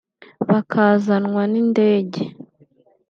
bakazanwa n’indege